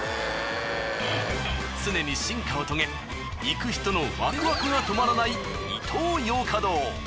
常に進化を遂げ行く人のワクワクが止まらないイトーヨーカドー。